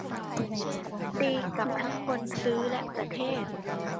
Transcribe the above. ดีกับทั้งคนซื้อและประเทศ